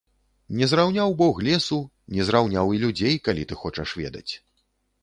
Не зраўняў бог лесу, не зраўняў і людзей, калі ты хочаш ведаць.